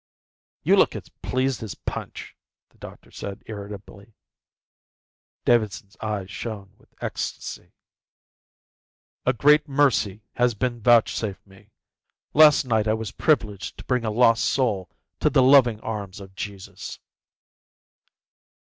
"You look as pleased as Punch," the doctor said irritably. Davidson's eyes shone with ecstasy. "A great mercy has been vouchsafed me. Last night I was privileged to bring a lost soul to the loving arms of Jesus."